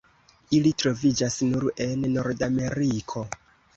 Ili troviĝas nur en Nordameriko.